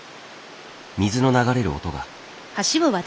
水の流れる音が。